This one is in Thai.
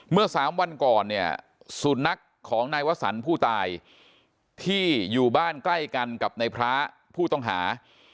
เมื่อ๓วันก่อนเนี่ยสุนัขของนายวสันผู้ตายที่อยู่บ้านใกล้กันกับในพระผู้ต้องหา